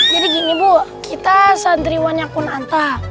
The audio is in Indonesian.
jadi gini bu kita santriwanya kun anta